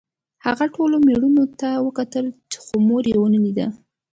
هغه ټولو مېرمنو ته وکتل خو مور یې ونه لیده